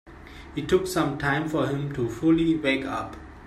It took some time for him to fully wake up.